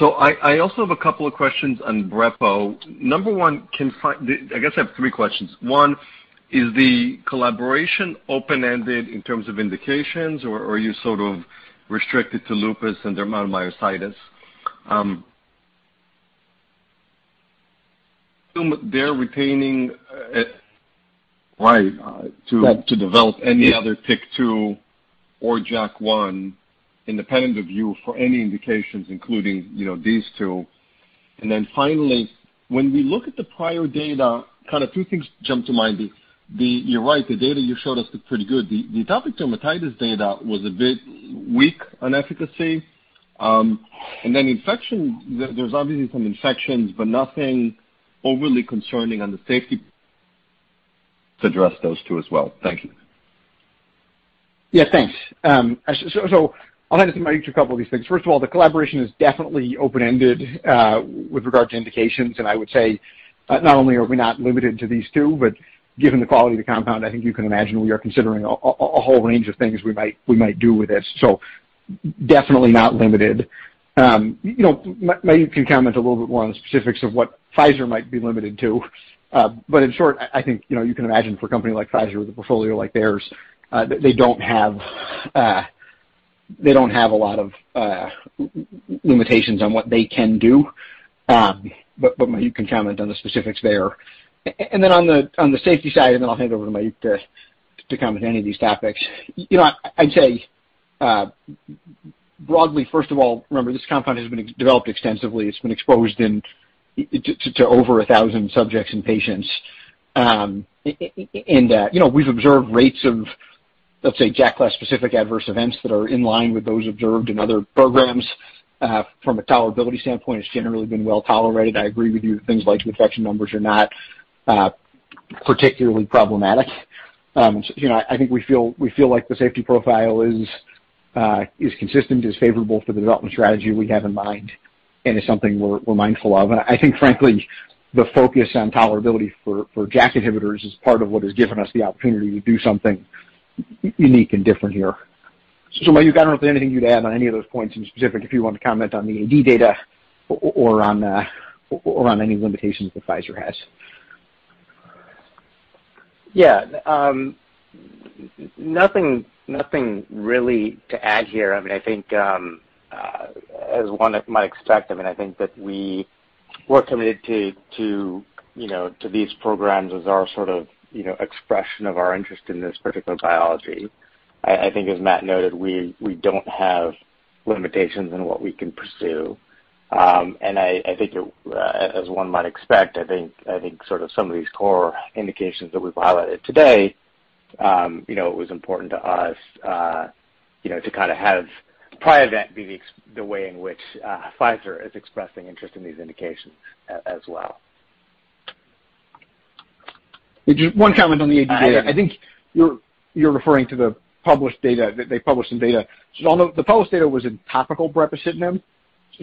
I also have a couple of questions on Brepo. Number one, I guess I have three questions. One, is the collaboration open-ended in terms of indications, or are you sort of restricted to lupus and dermatomyositis? They're retaining right to develop any other TYK2 or JAK1 independent of you for any indications, including, you know, these two. Then finally, when we look at the prior data, kind of two things jump to mind. You're right, the data you showed us looked pretty good. The atopic dermatitis data was a bit weak on efficacy. Then infection, there's obviously some infections, but nothing overly concerning on the safety to address those two as well. Thank you. Yeah, thanks. So I'll hand this to Mayuk to cover these things. First of all, the collaboration is definitely open-ended with regard to indications. I would say not only are we not limited to these two, but given the quality of the compound, I think you can imagine we are considering a whole range of things we might do with this. Definitely not limited. You know, Mayuk can comment a little bit more on the specifics of what Pfizer might be limited to. But in short, I think you know, you can imagine for a company like Pfizer with a portfolio like theirs, they don't have a lot of limitations on what they can do. But Mayuk can comment on the specifics there. On the safety side, I'll hand it over to Mayukh to comment on any of these topics. You know, I'd say, broadly, first of all, remember this compound has been developed extensively. It's been exposed in to over 1,000 subjects and patients. And, you know, we've observed rates of, let's say, JAK-class specific adverse events that are in line with those observed in other programs. From a tolerability standpoint, it's generally been well tolerated. I agree with you, things like infection numbers are not particularly problematic. You know, I think we feel like the safety profile is consistent, is favorable for the development strategy we have in mind, and is something we're mindful of. I think, frankly, the focus on tolerability for JAK inhibitors is part of what has given us the opportunity to do something unique and different here. Mayukh, I don't know if there's anything you'd add on any of those points in specific, if you want to comment on the AD data or on any limitations that Pfizer has. Yeah. Nothing really to add here. I mean, I think, as one might expect, I mean, I think that we're committed to, you know, to these programs as our sort of, you know, expression of our interest in this particular biology. I think as Matt noted, we don't have limitations in what we can pursue. I think it, as one might expect, I think some of these core indications that we've highlighted today, you know, it was important to us, you know, to kind of have Priovant be the way in which, Pfizer is expressing interest in these indications as well. Just one comment on the AD data. I think you're referring to the published data. They published some data. Although the published data was in topical brepocitinib,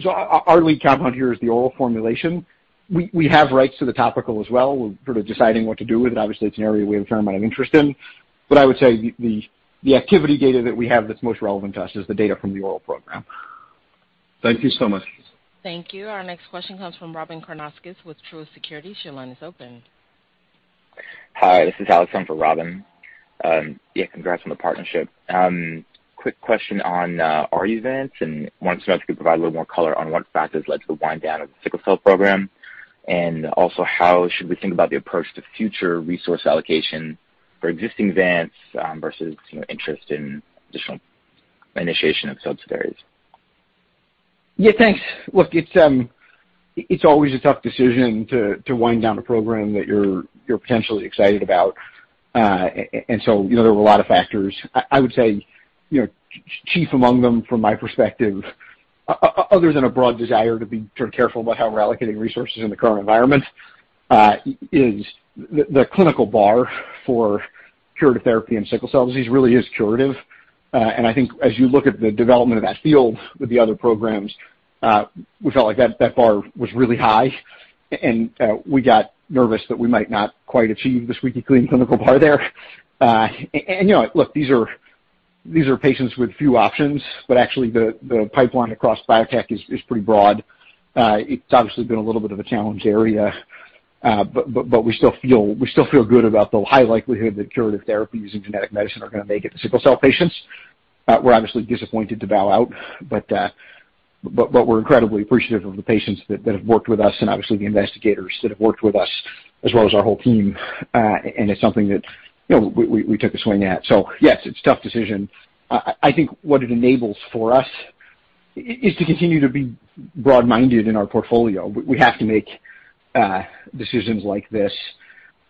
our lead compound here is the oral formulation. We have rights to the topical as well. We're sort of deciding what to do with it. Obviously, it's an area we have a fair amount of interest in. But I would say the activity data that we have that's most relevant to us is the data from the oral program. Thank you so much. Thank you. Our next question comes from Robyn Karnauskas with Truist Securities. Your line is open. Hi, this is Alex on for Robyn. Yeah, congrats on the partnership. Quick question on Aruvant, and wanted to know if you could provide a little more color on what factors led to the wind down of the sickle cell program. Also how should we think about the approach to future resource allocation for existing Aruvant versus, you know, interest in additional initiation of subsidiaries? Yeah, thanks. Look, it's always a tough decision to wind down a program that you're potentially excited about. You know, there were a lot of factors. I would say, you know, chief among them from my perspective, other than a broad desire to be sort of careful about how we're allocating resources in the current environment, is the clinical bar for curative therapy and sickle cell disease really is curative. I think as you look at the development of that field with the other programs, we felt like that bar was really high, and we got nervous that we might not quite achieve the squeaky clean clinical bar there. You know, look, these are patients with few options, but actually the pipeline across biotech is pretty broad. It's obviously been a little bit of a challenge area, but we still feel good about the high likelihood that curative therapies and genetic medicine are gonna make it to sickle cell patients. We're obviously disappointed to bow out, but we're incredibly appreciative of the patients that have worked with us and obviously the investigators that have worked with us as well as our whole team. It's something that, you know, we took a swing at. Yes, it's a tough decision. I think what it enables for us is to continue to be broad-minded in our portfolio. We have to make decisions like this,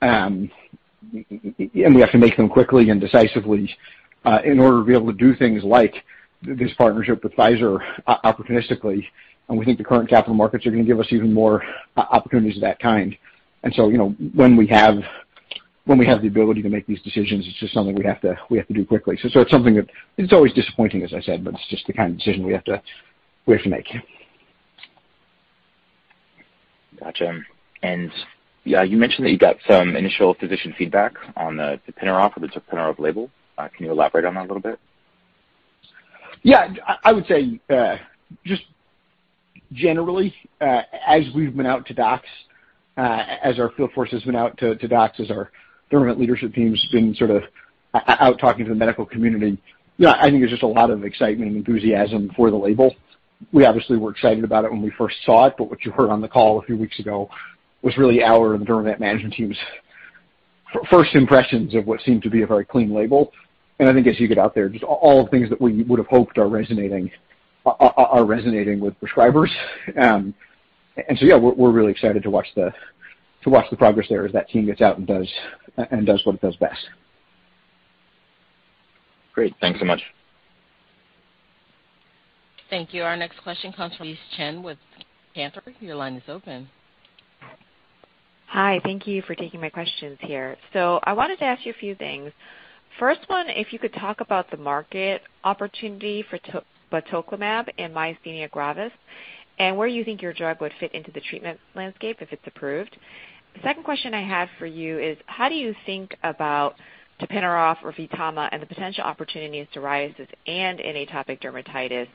and we have to make them quickly and decisively, in order to be able to do things like this partnership with Pfizer opportunistically. We think the current capital markets are gonna give us even more opportunities of that kind. You know, when we have the ability to make these decisions, it's just something we have to do quickly. It's something that's always disappointing, as I said, but it's just the kind of decision we have to make. Gotcha. Yeah, you mentioned that you got some initial physician feedback on tapinarof or the tapinarof label. Can you elaborate on that a little bit? Yeah. I would say just generally as we've been out to docs as our field force has been out to docs as our Dermavant leadership team has been sort of out talking to the medical community. Yeah, I think there's just a lot of excitement and enthusiasm for the label. We obviously were excited about it when we first saw it, but what you heard on the call a few weeks ago was really our and the Dermavant management team's first impressions of what seemed to be a very clean label. I think as you get out there, just all the things that we would've hoped are resonating with prescribers. Yeah, we're really excited to watch the progress there as that team gets out and does what it does best. Great. Thanks so much. Thank you. Our next question comes from Louise Chen with Cantor Fitzgerald. Your line is open. Hi. Thank you for taking my questions here. I wanted to ask you a few things. First one, if you could talk about the market opportunity for batoclimab and myasthenia gravis and where you think your drug would fit into the treatment landscape if it's approved. The second question I had for you is how do you think about tapinarof or VTAMA and the potential opportunity in psoriasis and in atopic dermatitis?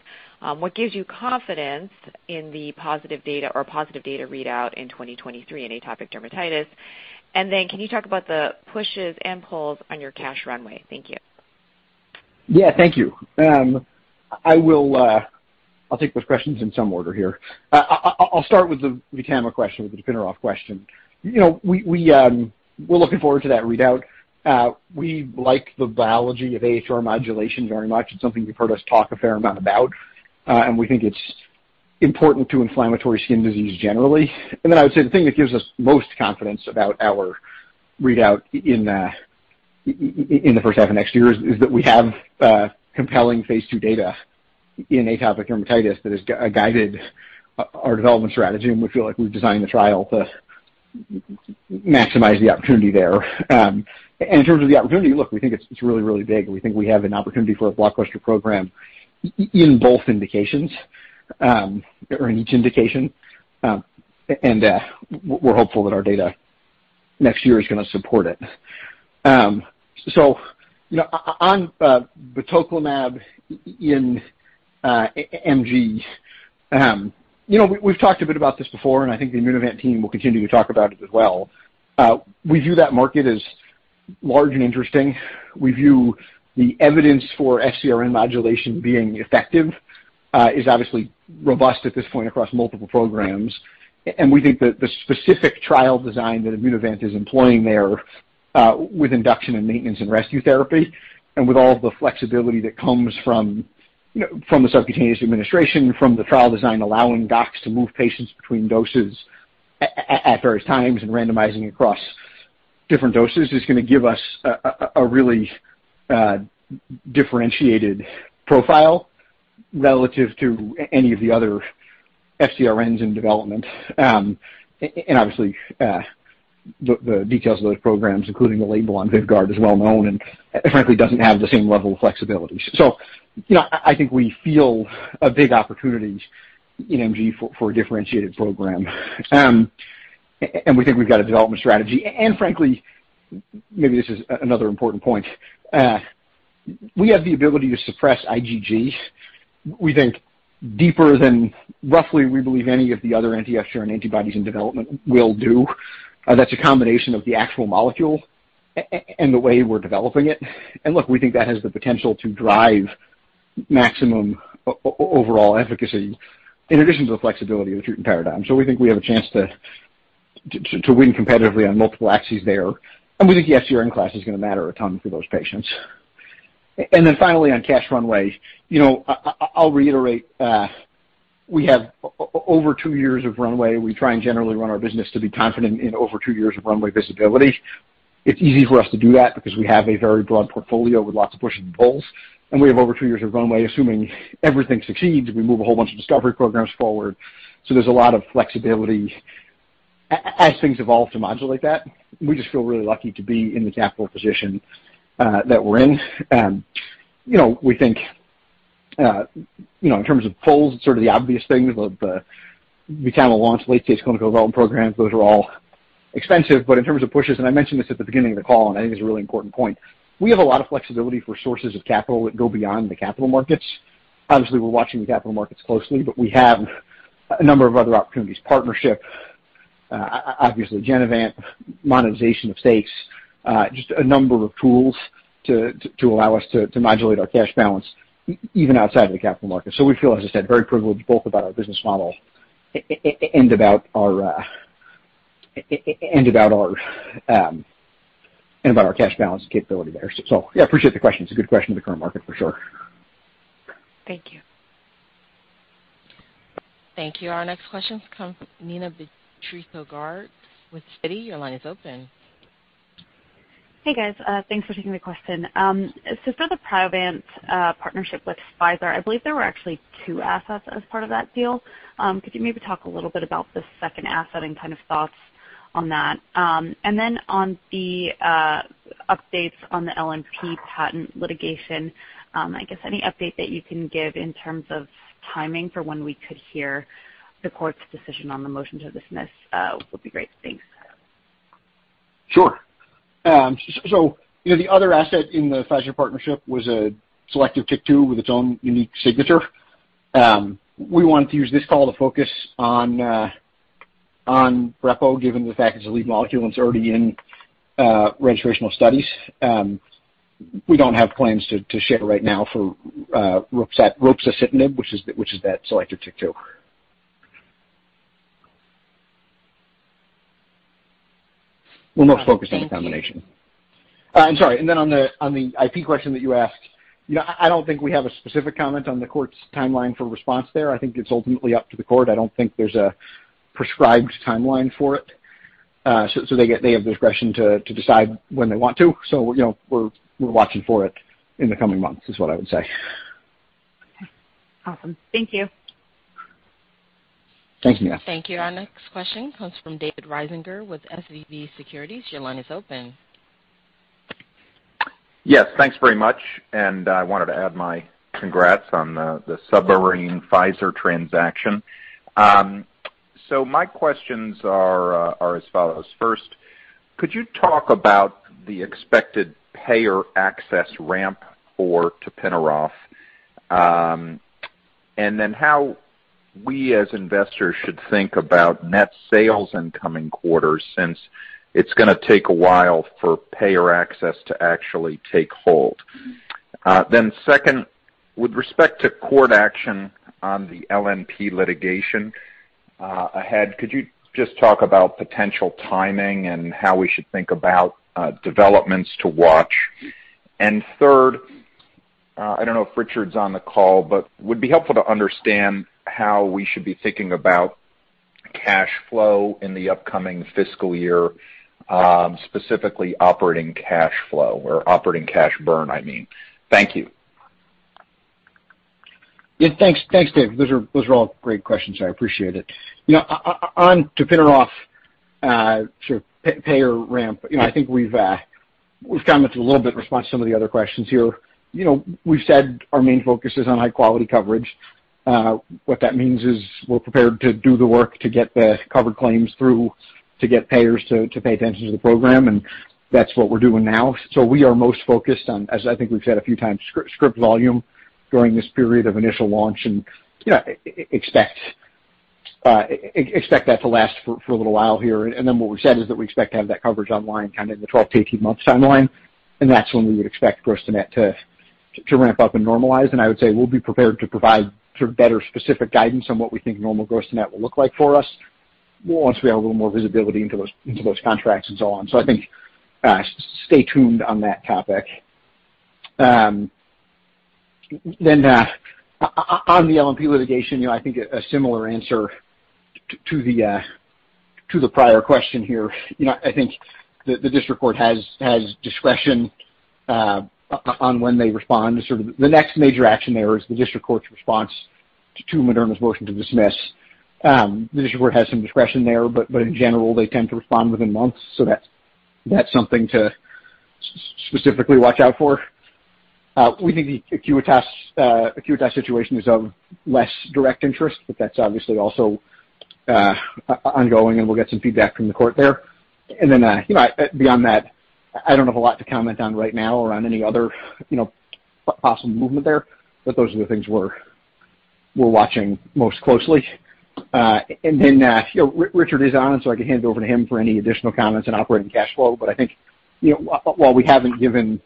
What gives you confidence in the positive data or positive data readout in 2023 in atopic dermatitis? Can you talk about the pushes and pulls on your cash runway? Thank you. Yeah, thank you. I'll take those questions in some order here. I'll start with the VTAMA question, with the tapinarof question. You know, we're looking forward to that readout. We like the biology of AHR modulation very much. It's something you've heard us talk a fair amount about, and we think it's important to inflammatory skin disease generally. Then I would say the thing that gives us most confidence about our readout in the first half of next year is that we have compelling phase two data in atopic dermatitis that has guided our development strategy, and we feel like we've designed the trial to maximize the opportunity there. In terms of the opportunity, look, we think it's really, really big. We think we have an opportunity for a blockbuster program in both indications, or in each indication. We're hopeful that our data next year is gonna support it. You know, on batoclimab in MG, you know, we've talked a bit about this before, and I think the Immunovant team will continue to talk about it as well. We view that market as large and interesting. We view the evidence for FcRn modulation being effective is obviously robust at this point across multiple programs. We think that the specific trial design that Immunovant is employing there, with induction and maintenance and rescue therapy, and with all the flexibility that comes from, you know, from the subcutaneous administration, from the trial design allowing docs to move patients between doses at various times and randomizing across different doses, is gonna give us a really differentiated profile. Relative to any of the other FcRns in development, and obviously, the details of those programs, including the label on Vyvgart is well known and frankly doesn't have the same level of flexibility. You know, I think we feel a big opportunity in MG for a differentiated program. We think we've got a development strategy. Frankly, maybe this is another important point. We have the ability to suppress IgG, we think, deeper than roughly we believe any of the other anti-FcRn antibodies in development will do. That's a combination of the actual molecule and the way we're developing it. Look, we think that has the potential to drive maximum overall efficacy in addition to the flexibility of the treatment paradigm. We think we have a chance to win competitively on multiple axes there. We think the FcRn class is gonna matter a ton for those patients. Finally on cash runway. You know, I'll reiterate, we have over two years of runway. We try and generally run our business to be confident in over two years of runway visibility. It's easy for us to do that because we have a very broad portfolio with lots of pushes and pulls, and we have over two years of runway, assuming everything succeeds, we move a whole bunch of discovery programs forward, so there's a lot of flexibility as things evolve to modulate that. We just feel really lucky to be in the capital position that we're in. You know, we think, you know, in terms of pulls, sort of the obvious things of, we kind of launch late-stage clinical development programs. Those are all expensive. In terms of pushes, and I mentioned this at the beginning of the call, and I think it's a really important point, we have a lot of flexibility for sources of capital that go beyond the capital markets. Obviously, we're watching the capital markets closely, but we have a number of other opportunities, partnership, obviously Genevant, monetization of stakes, just a number of tools to allow us to modulate our cash balance even outside of the capital market. We feel, as I said, very privileged, both about our business model and about our and about our cash balance capability there. Yeah, I appreciate the question. It's a good question in the current market for sure. Thank you. Thank you. Our next question comes Neena Bitritto-Garg with Citi. Your line is open. Hey, guys. Thanks for taking the question. For the Priovant partnership with Pfizer, I believe there were actually two assets as part of that deal. Could you maybe talk a little bit about the second asset and kind of thoughts on that? Updates on the LNP patent litigation, I guess any update that you can give in terms of timing for when we could hear the court's decision on the motion to dismiss would be great. Thanks. Sure. You know, the other asset in the Pfizer partnership was a selective TYK2 with its own unique signature. We wanted to use this call to focus on brepocitinib, given the fact it's a lead molecule and it's already in registrational studies. We don't have plans to share right now for ropsacitinib, which is that selective TYK2. We're more focused on the combination. Thank you. I'm sorry. On the IP question that you asked, you know, I don't think we have a specific comment on the court's timeline for response there. I think it's ultimately up to the court. I don't think there's a prescribed timeline for it. They have the discretion to decide when they want to. You know, we're watching for it in the coming months, is what I would say. Okay. Awesome. Thank you. Thanks, Nina. Thank you. Our next question comes from David Risinger with SVB Securities. Your line is open. Yes, thanks very much. I wanted to add my congrats on the submarine Pfizer transaction. My questions are as follows. First, could you talk about the expected payer access ramp for tapinarof? How we as investors should think about net sales in coming quarters since it's gonna take a while for payer access to actually take hold? Second, with respect to court action on the LNP litigation ahead, could you just talk about potential timing and how we should think about developments to watch? Third, I don't know if Richard's on the call, but would be helpful to understand how we should be thinking about cash flow in the upcoming fiscal year, specifically operating cash flow or operating cash burn, I mean. Thank you. Yeah, thanks. Thanks, David. Those are all great questions. I appreciate it. You know, on tapinarof, sure, payer ramp, you know, I think we've commented a little bit in response to some of the other questions here. You know, we've said our main focus is on high quality coverage. What that means is we're prepared to do the work to get the covered claims through to get payers to pay attention to the program, and that's what we're doing now. We are most focused on, as I think we've said a few times, script volume during this period of initial launch and, you know, expect that to last for a little while here. What we've said is that we expect to have that coverage online kind of in the 12-18 months timeline, and that's when we would expect gross to net to ramp up and normalize. I would say we'll be prepared to provide sort of better specific guidance on what we think normal gross to net will look like for us once we have a little more visibility into those contracts and so on. I think stay tuned on that topic. On the LNP litigation, you know, I think a similar answer to the prior question here, you know, I think the district court has discretion on when they respond to sort of the next major action there is the district court's response to Moderna's motion to dismiss. The district court has some discretion there, but in general, they tend to respond within months. That's something to specifically watch out for. We think the Acuitas situation is of less direct interest, but that's obviously also ongoing, and we'll get some feedback from the court there. You know, beyond that, I don't have a lot to comment on right now around any other, you know, possible movement there. Those are the things we're watching most closely. You know, Richard is on, and so I can hand it over to him for any additional comments on operating cash flow. I think, you know, while we haven't given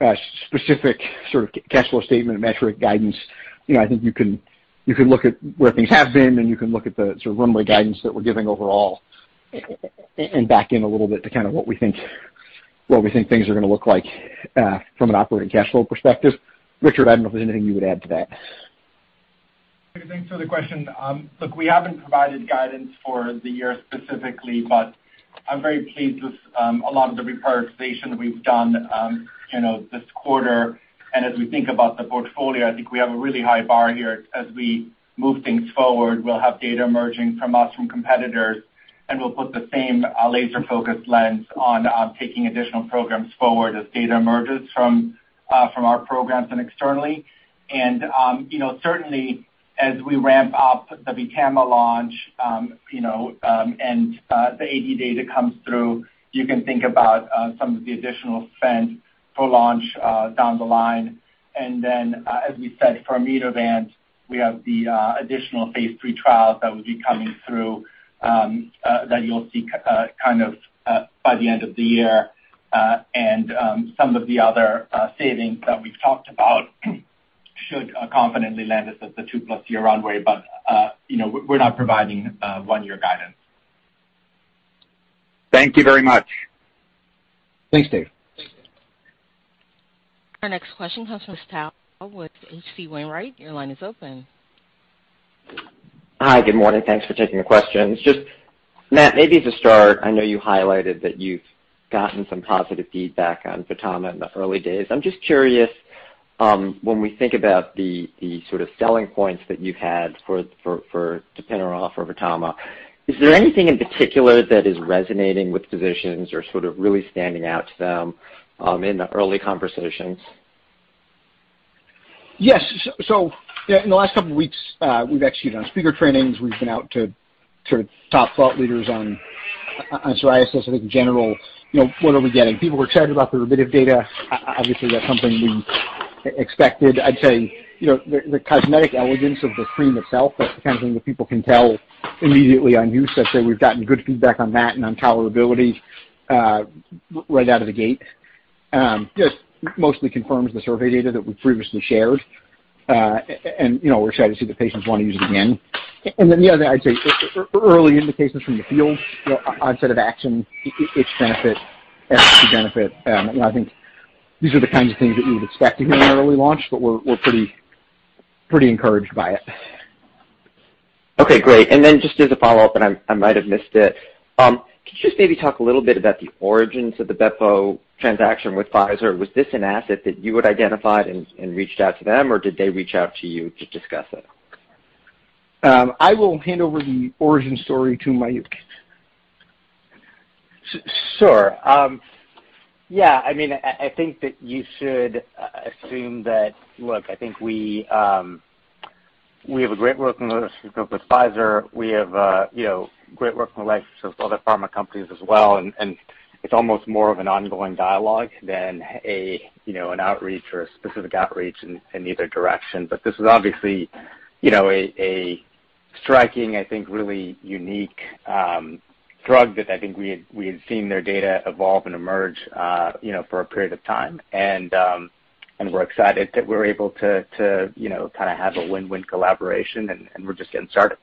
a specific sort of cash flow statement or metric guidance, you know, I think you can look at where things have been, and you can look at the sort of runway guidance that we're giving overall and back in a little bit to kind of what we think things are gonna look like, from an operating cash flow perspective. Richard, I don't know if there's anything you would add to that. Thanks for the question. Look, we haven't provided guidance for the year specifically, but I'm very pleased with a lot of the reprioritization we've done, you know, this quarter. As we think about the portfolio, I think we have a really high bar here. As we move things forward, we'll have data emerging from us, from competitors, and we'll put the same laser-focused lens on taking additional programs forward as data emerges from our programs and externally. Certainly, you know, as we ramp up the VTAMA launch, you know, and the AD data comes through, you can think about some of the additional spend for launch down the line. As we said, for Immunovant, we have the additional phase 3 trials that will be coming through, that you'll see kind of by the end of the year. Some of the other savings that we've talked about should confidently land us at the 2+ year runway, but you know, we're not providing 1-year guidance. Thank you very much. Thanks, David. Our next question comes from Douglas Tsao with H.C. Wainwright. Your line is open. Hi. Good morning. Thanks for taking the questions. Just, Matt, maybe to start, I know you highlighted that you've gotten some positive feedback on VTAMA in the early days. I'm just curious, when we think about the sort of selling points that you've had for tapinarof for VTAMA, is there anything in particular that is resonating with physicians or sort of really standing out to them, in the early conversations? Yes. So in the last couple weeks, we've actually done speaker trainings. We've been out to sort of top thought leaders on psoriasis. I think in general, you know, what are we getting? People were excited about the remission data. Obviously, that's something we expected. I'd say, you know, the cosmetic elegance of the cream itself, that's the kind of thing that people can tell immediately on use. I'd say we've gotten good feedback on that and on tolerability, right out of the gate. Just mostly confirms the survey data that we previously shared. You know, we're excited to see the patients want to use it again. The other thing I'd say, early indications from the field, you know, onset of action, its benefit, efficacy benefit. I think these are the kinds of things that you would expect to hear in an early launch, but we're pretty encouraged by it. Okay, great. Just as a follow-up, and I might have missed it. Can you just maybe talk a little bit about the origins of the brepo transaction with Pfizer? Was this an asset that you had identified and reached out to them, or did they reach out to you to discuss it? I will hand over the origin story to Mayukh. Sure. Yeah. I mean, I think that you should assume that. Look, I think we have a great working relationship with Pfizer. We have, you know, great working relationships with other pharma companies as well. It's almost more of an ongoing dialogue than a, you know, an outreach or a specific outreach in either direction. This is obviously, you know, a striking, I think, really unique drug that I think we had seen their data evolve and emerge, you know, for a period of time. We're excited that we're able to, you know, kinda have a win-win collaboration, and we're just getting started.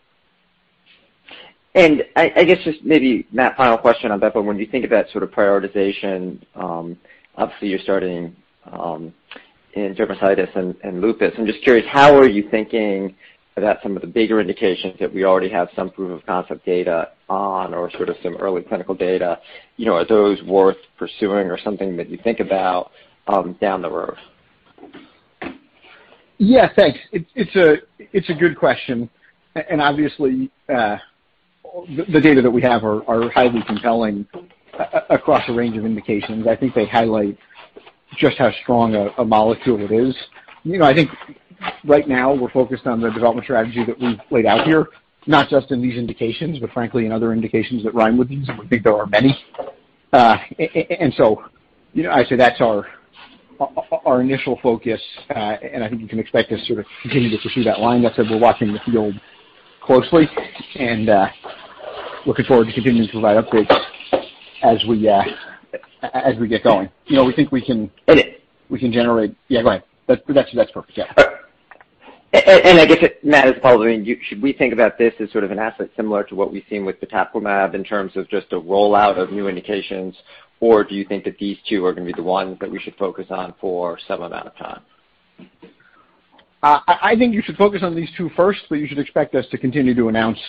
I guess just maybe, Matt, final question on BEFO. When you think about sort of prioritization, obviously you're starting in dermatitis and lupus. I'm just curious, how are you thinking about some of the bigger indications that we already have some proof of concept data on or sort of some early clinical data? You know, are those worth pursuing or something that you think about down the road? Yeah, thanks. It's a good question. Obviously, the data that we have are highly compelling across a range of indications. I think they highlight just how strong a molecule it is. You know, I think right now we're focused on the development strategy that we've laid out here, not just in these indications, but frankly in other indications that rhyme with these. We think there are many. You know, I say that's our initial focus, and I think you can expect us to sort of continue to pursue that line. Like I said, we're watching the field closely and looking forward to continuing to provide updates as we as we get going. You know, we think we can- And- We can generate. Yeah, go ahead. That's perfect. Yeah. I guess it, Matt, as a follow, I mean, should we think about this as sort of an asset similar to what we've seen with batoclimab in terms of just a rollout of new indications, or do you think that these two are gonna be the ones that we should focus on for some amount of time? I think you should focus on these two first, but you should expect us to continue to announce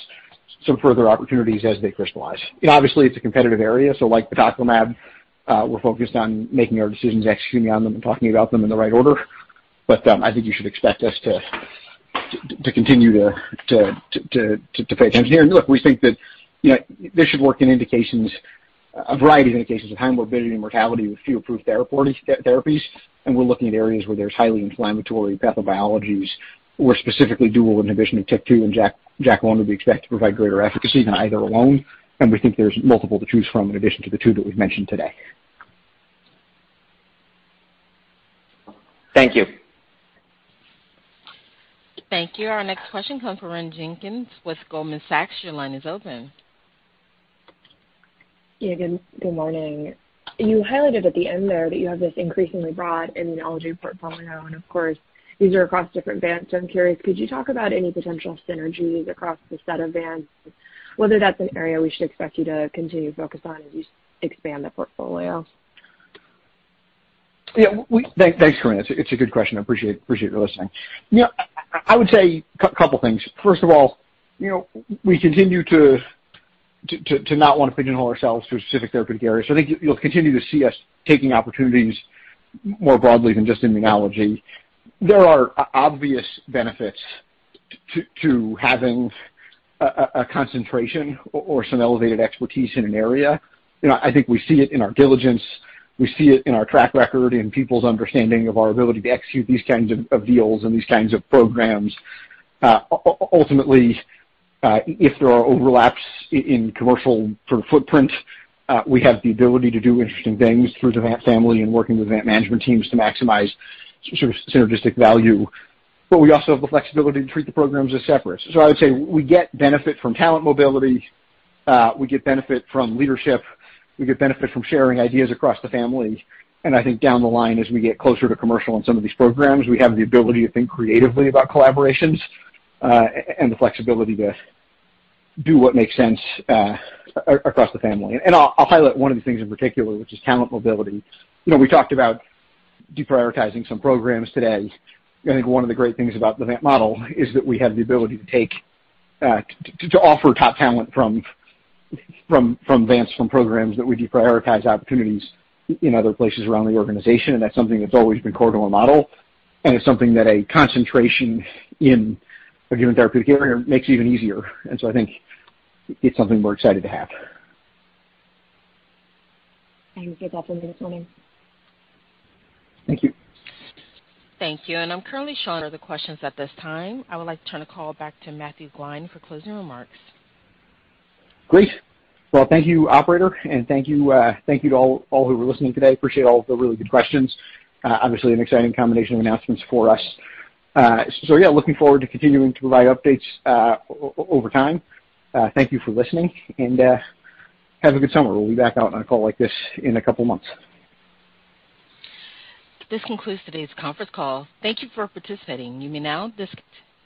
some further opportunities as they crystallize. You know, obviously, it's a competitive area, so like tocilizumab, we're focused on making our decisions, executing on them and talking about them in the right order. I think you should expect us to continue to pay attention. Look, we think that, you know, this should work in a variety of indications of high morbidity and mortality with few approved therapies. We're looking at areas where there's highly inflammatory pathobiologies or specifically dual inhibition of TYK2 and JAK1 that we expect to provide greater efficacy than either alone. We think there's multiple to choose from in addition to the two that we've mentioned today. Thank you. Thank you. Our next question comes from Corinne Jenkins with Goldman Sachs. Your line is open. Yeah, good morning. You highlighted at the end there that you have this increasingly broad immunology portfolio, and of course, these are across different Vants. I'm curious, could you talk about any potential synergies across the set of Vants? Whether that's an area we should expect you to continue to focus on as you expand the portfolio? Thanks, Corinne. It's a good question. Appreciate your listening. You know, I would say a couple things. First of all, you know, we continue to not want to pigeonhole ourselves to a specific therapeutic area. So I think you'll continue to see us taking opportunities more broadly than just immunology. There are obvious benefits to having a concentration or some elevated expertise in an area. You know, I think we see it in our diligence. We see it in our track record, in people's understanding of our ability to execute these kinds of deals and these kinds of programs. Ultimately, if there are overlaps in commercial sort of footprint, we have the ability to do interesting things through the Vant Family and working with Vant management teams to maximize sort of synergistic value. We also have the flexibility to treat the programs as separate. I would say we get benefit from talent mobility, we get benefit from leadership, we get benefit from sharing ideas across the family. I think down the line, as we get closer to commercial on some of these programs, we have the ability to think creatively about collaborations, and the flexibility to do what makes sense, across the family. I'll highlight one of the things in particular, which is talent mobility. You know, we talked about deprioritizing some programs today. I think one of the great things about the Vant model is that we have the ability to take, to offer top talent from Vants, from programs that we deprioritize opportunities in other places around the organization. That's something that's always been core to our model, and it's something that a concentration in a given therapeutic area makes even easier. I think it's something we're excited to have. Thank you for that. Thank you. Thank you. I'm currently showing no other questions at this time. I would like to turn the call back to Matt Gline for closing remarks. Great. Well, thank you, operator, and thank you to all who were listening today. Appreciate all of the really good questions. Obviously an exciting combination of announcements for us. So yeah, looking forward to continuing to provide updates over time. Thank you for listening and have a good summer. We'll be back out on a call like this in a couple of months. This concludes today's conference call. Thank you for participating. You may now disconnect.